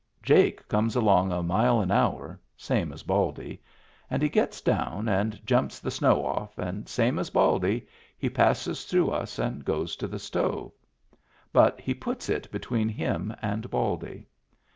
Jake comes along a mile an hour, same as Baldy ; and he gets down and jumps the snow o£F, and same as Baldy, he passes through us and goes to the stove. But he puts it between him and Baldy.